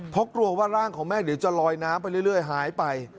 เพราะกลัวว่าร่างของแม่เดี๋ยวจะลอยน้ำไปเรื่อยหายไป